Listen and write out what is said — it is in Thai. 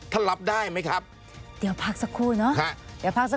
ท่านรับได้ไหมครับครับเดี๋ยวพักสักครู่เนอะ